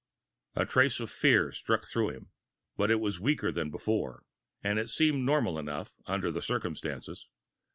A trace of fear struck through him, but it was weaker than before, and it seemed normal enough, under the circumstances.